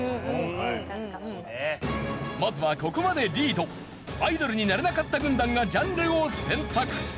まずはここまでリードアイドルになれなかった軍団がジャンルを選択。